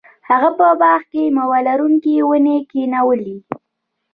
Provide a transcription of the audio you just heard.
هغه په باغ کې میوه لرونکې ونې کینولې.